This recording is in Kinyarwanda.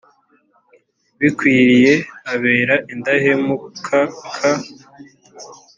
bikwiriye abera indahemukaka